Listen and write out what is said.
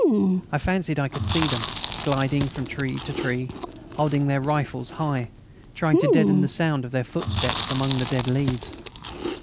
I fancied I could see them, gliding from tree to tree, holding their rifles high, trying to deaden the sound of their footsteps among the dead leaves.